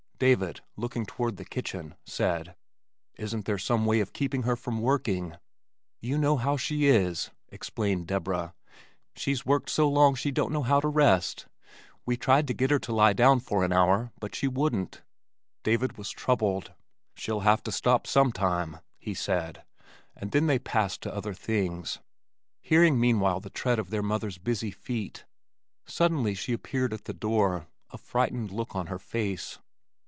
David, looking toward the kitchen, said, "Isn't there some way to keep her from working?" "You know how she is," explained Deborah. "She's worked so long she don't know how to rest. We tried to get her to lie down for an hour but she wouldn't." David was troubled. "She'll have to stop sometime," he said, and then they passed to other things, hearing meanwhile the tread of their mother's busy feet. Suddenly she appeared at the door, a frightened look on her face.